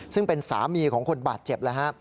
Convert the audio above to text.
ซึ่งเป็นสามีของคนบาดเจ็บแล้วฮะ